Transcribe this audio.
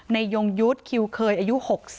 ยงยุทธ์คิวเคยอายุ๖๐